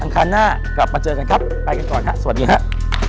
คารหน้ากลับมาเจอกันครับไปกันก่อนฮะสวัสดีครับ